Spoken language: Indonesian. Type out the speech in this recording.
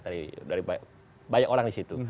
dari banyak orang di situ